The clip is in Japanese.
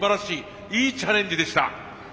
いいチャレンジでした。